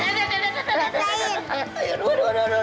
tidak tidak tidak tidak tidak